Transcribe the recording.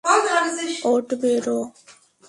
ওঠ, বেরো।